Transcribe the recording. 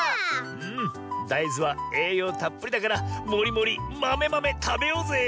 だいずはえいようたっぷりだからもりもりまめまめたべようぜえ。